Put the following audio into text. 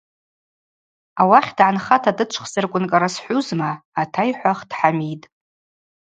Ауахь дгӏанхата дычвхзарквын кӏара схӏвузма, – атайхӏвахтӏ Хӏамид.